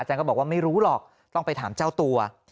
ก็บอกว่าไม่รู้หรอกต้องไปถามเจ้าตัว